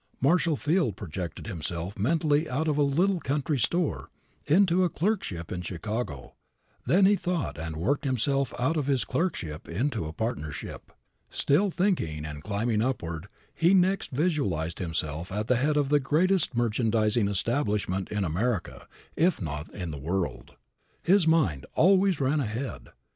Marshall Field projected himself mentally out of a little country store into a clerkship in Chicago. Then he thought and worked himself out of this clerkship into a partnership. Still thinking and climbing upward, he next visualized himself at the head of the greatest merchandizing establishment in America, if not in the world. His mind always ran ahead.